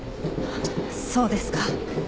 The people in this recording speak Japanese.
そうですか。